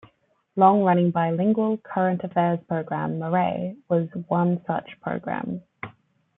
Long-running bi-lingual current affairs programme Marae was one such programme.